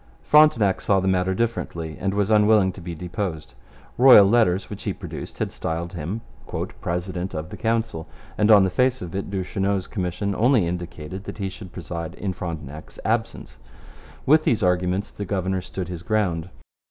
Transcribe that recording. Frontenac saw the matter differently and was unwilling to be deposed. Royal letters, which he produced, had styled him 'President of the Council,' and on the face of it Duchesneau's commission only indicated that he should preside in Frontenac's absence. With these arguments the governor stood his ground.